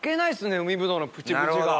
海ぶどうのプチプチが。